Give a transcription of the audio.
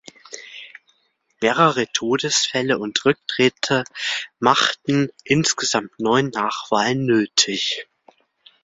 Mehrere Todesfälle und Rücktritte machten insgesamt neun Nachwahlen nötig.